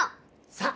さあ！